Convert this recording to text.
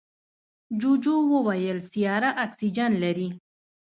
جوجو وویل سیاره اکسیجن لري.